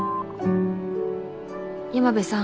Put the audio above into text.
山辺さん。